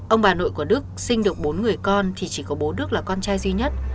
ông bà nội của đức sinh được bốn người con thì chỉ có bố đức là con trai duy nhất